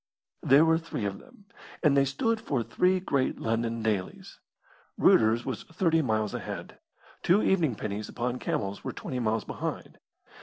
There were three of them, and they stood for three great London dailies. Reuter's was thirty miles ahead; two evening pennies upon camels were twenty miles behind.